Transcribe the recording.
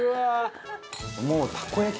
もうたこ焼き